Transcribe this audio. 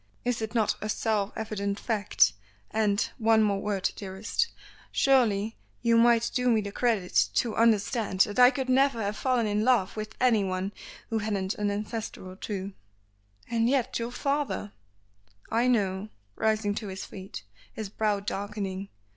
Is it not a self evident fact; and one more word dearest surely you might do me the credit to understand that I could never have fallen in love with anyone who hadn't an ancestor or two." "And yet your father " "I know," rising to his feet, his brow darkening.